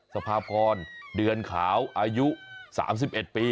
สภาพรเดือนขาวอายุ๓๑ปี